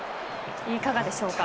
いかがでしょうか。